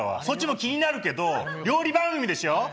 そっちも気になるけど料理番組でしょ？